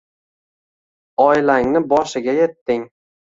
Oilangni boshiga yetding